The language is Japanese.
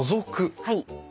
はい。